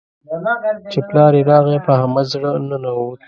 چې پلار يې راغی؛ په احمد زړه ننوت.